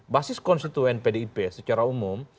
basis konstituen pdip secara umum